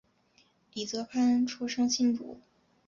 李泽藩出生新竹